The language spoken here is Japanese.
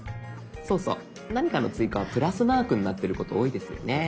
そうそう何かの追加はプラスマークになってること多いですよね。